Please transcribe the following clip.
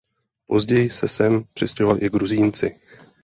Později se sem přistěhovali i Gruzínci.